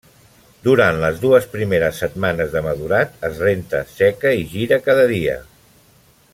Durant les dues primeres setmanes de madurat es renta, seca i gira cada dia.